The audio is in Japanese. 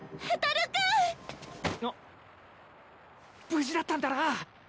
無事だったんだな。